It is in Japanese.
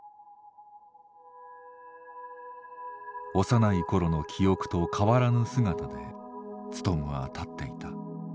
幼い頃の記憶と変わらぬ姿でツトムは立っていた。